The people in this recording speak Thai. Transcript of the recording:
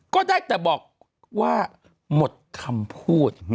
ก็ได้แต่บอกว่าหมดคำพูด